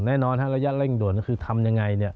แน่นอนฮะระยะเร่งด่วนก็คือทำยังไงเนี่ย